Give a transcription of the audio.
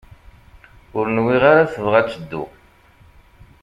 Ur nwiɣ ara tebɣa ad teddu.